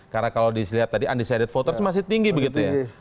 karena kalau dilihat tadi undecided voters masih tinggi begitu ya